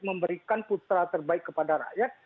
memberikan putra terbaik kepada rakyat